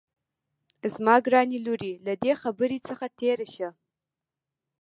زما ګرانې لورې له دې خبرې څخه تېره شه